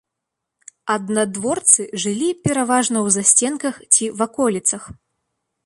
Аднадворцы жылі пераважна ў засценках ці ваколіцах.